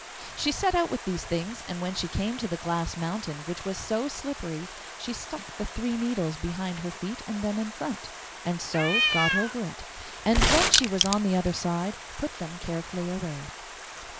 She set out with these things, and when she came to the glass mountain which was so slippery she stuck the three needles behind her feet and then in front, and so got over it, and when she was on the other side put them carefully away.